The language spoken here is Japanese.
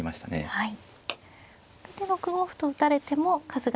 はい。